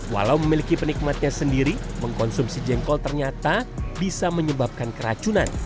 walau memiliki penikmatnya sendiri mengkonsumsi jengkol ternyata bisa menyebabkan keracunan